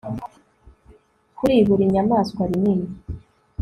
Kuri buri nyamaswa rinini